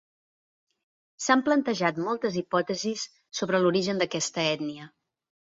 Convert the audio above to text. S'han plantejat moltes hipòtesis sobre l'origen d'aquesta ètnia.